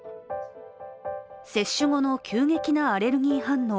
接種後の急激なアレルギー反応